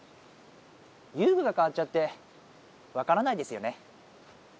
ゆうぐがかわっちゃってわからないですよね。